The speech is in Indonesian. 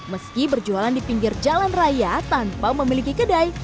meski berjualan di pinggir jalan raya tanpa memiliki kedai